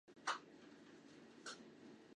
总结环节则由曾荫权先发言。